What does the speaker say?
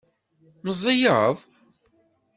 Meẓẓiyeḍ?